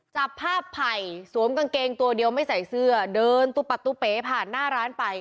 จับภาพไผ่สวมกางเกงตัวเดียวไม่ใส่เสื้อเดินตุ๊ปัตตุเป๋ผ่านหน้าร้านไป